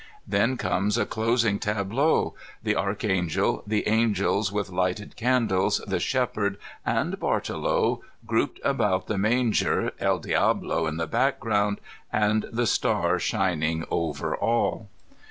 Then comes a closing tableau, the Archangel, the angels with lighted candles, the shepherd, and Bartolo grouped about the manger, JE^ DicMo in the background, and the star shin ing over all.